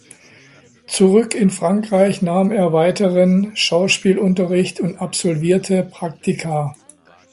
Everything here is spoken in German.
Zurück in Frankreich nahm er weiteren Schauspielunterricht und absolvierte Praktika.